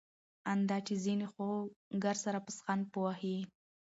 آن دا چي ځيني خو ګرسره پسخند په وهي.